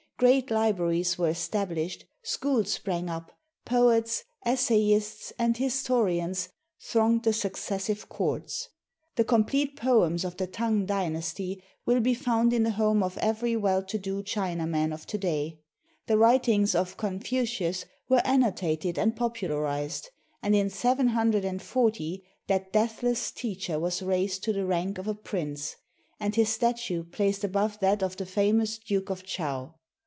Great libraries were established, schools sprang up, poets, essayists, and historians thronged the successive courts. "The Complete Poems of the Tang Dynasty" will be found in the home of every well to do Chinaman of to day. The writings of Confucius were annotated and popu larized; and in 740 that deathless teacher was raised to the rank of a prince, and his statue placed above that of the famous Duke of Chow.